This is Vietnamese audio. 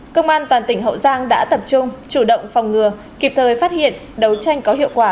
công an toàn tỉnh hậu giang đã tập trung chủ động phòng ngừa kịp thời phát hiện đấu tranh có hiệu quả